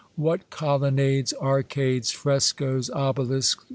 What colonnades, arcades, frescos, obelisks.